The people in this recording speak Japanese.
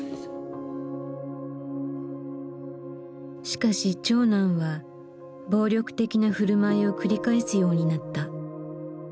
しかし長男は暴力的な振る舞いを繰り返すようになった。